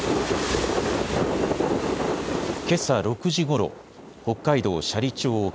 けさ６時ごろ、北海道斜里町沖。